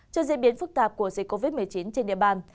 trước diễn biến phức tạp của dịch covid một mươi chín trên địa bàn